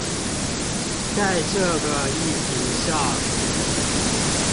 在這個議題上